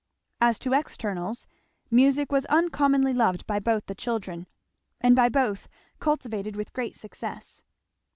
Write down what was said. As to externals, music was uncommonly loved by both the children, and by both cultivated with great success.